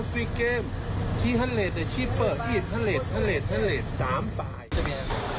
๓๐๐นิดหนึ่งชิพเบอร์